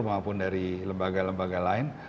maupun dari lembaga lembaga lain